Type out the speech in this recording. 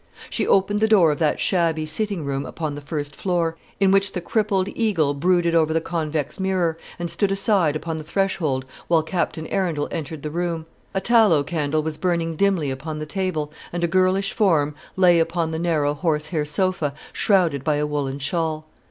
She opened the door of that shabby sitting room upon the first floor, in which the crippled eagle brooded over the convex mirror, and stood aside upon the threshold while Captain Arundel entered the room. A tallow candle was burning dimly upon the table, and a girlish form lay upon the narrow horsehair sofa, shrouded by a woollen shawl.